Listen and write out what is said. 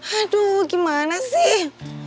aduh gimana sih